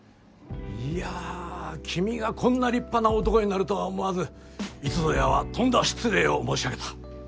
いや君がこんな立派な男になるとは思わずいつぞやはとんだ失礼を申し上げた。